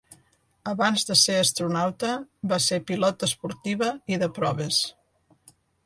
Abans de ser astronauta, va ser pilot esportiva i de proves.